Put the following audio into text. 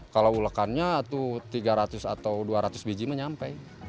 kalau ulekannya itu tiga ratus atau dua ratus biji menyampe